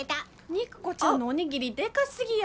肉子ちゃんのお握りでかすぎや。